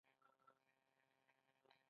د نجونو تعلیم د ښځو رهبري وړتیا لوړولو سبب دی.